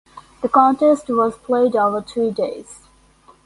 The contest was played over three days.